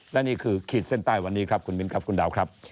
และนี่คือขีดเส้นใต้วันนี้ครับคุณมิ้นครับคุณดาวครับ